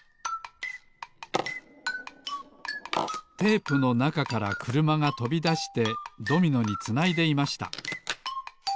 テープのなかからくるまがとびだしてドミノにつないでいました